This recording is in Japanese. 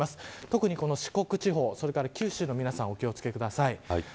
特に四国地方それから九州の皆さんお気を付けください。